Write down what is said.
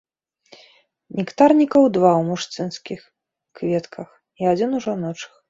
Нектарнікаў два ў мужчынскіх кветках, і адзін у жаночых.